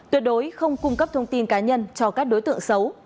tuyệt đối không cung cấp thông tin cá nhân cho các đối tượng xấu